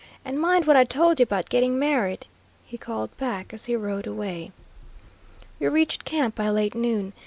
And mind what I told you about getting married," he called back as he rode away. We reached camp by late noon.